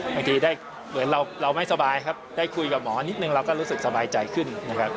บางทีได้เหมือนเราไม่สบายครับได้คุยกับหมอนิดนึงเราก็รู้สึกสบายใจขึ้นนะครับ